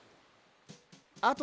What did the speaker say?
あと。